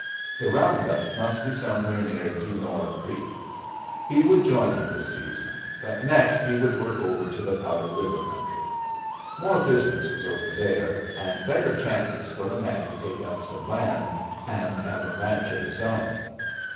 The round up must be somewhere near Du Noir Creek. He would join it this season, but next he should work over to the Powder River country. More business was over there, and better chances for a man to take up some land and have a ranch of his own.